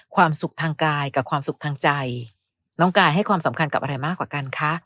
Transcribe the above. ความสุขทางกายกับความสุขทางใจน้องกายให้ความสำคัญกับอะไรมากกว่ากันคะ